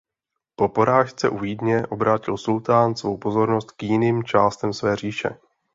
Po porážce u Vídně obrátil sultán svou pozornost k jiným částem své říše.